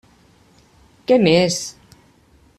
Què més?